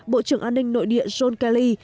bộ trưởng an ninh nội địa john kelly